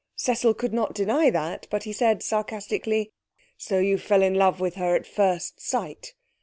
Cecil could not deny that, but he said sarcastically 'So you fell in love with her at first sight?'